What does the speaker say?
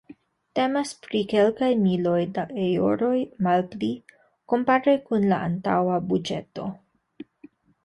Temas pri kelkaj miloj da eŭroj malpli, kompare kun la antaŭa buĝeto.